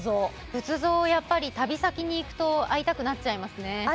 仏像、旅先に行くと会いたくなっちゃいますね。